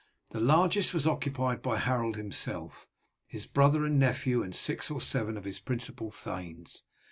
The largest was occupied by Harold himself, his brother and nephew, and six or seven of his principal thanes.